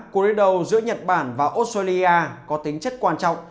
cuối đấu giữa nhật bản và australia có tính chất quan trọng